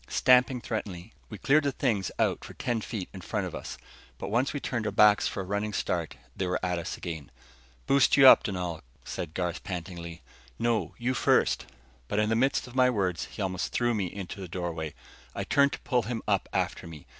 Stamping threateningly, we cleared the things out for ten feet in front of us. But once we turned our backs for a running start they were at us again. "Boost you up, Dunal," said Garth pantingly. "No, you first." But in the midst of my words, he almost threw me into the doorway. I turned to pull him up after me.